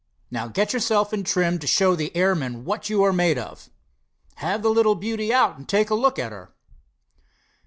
Now get yourself in trim, to show the airmen what you're made of. Have the little beauty out and look at her."